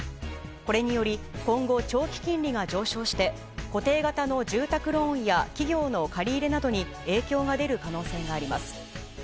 これにより、今後長期金利が上昇して固定型の住宅ローンや企業の借り入れなどに影響が出る可能性があります。